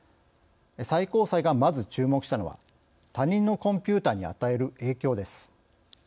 最高裁がまず注目したのは他人のコンピューターに与える影響です。